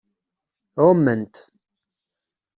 Ɛument.